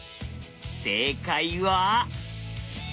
正解は。